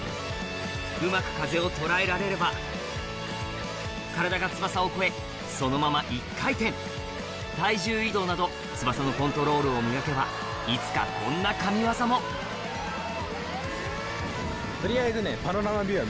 うまく風を捉えられれば体が翼を越えそのまま１回転体重移動など翼のコントロールを磨けばいつかこんな神業も取りあえず。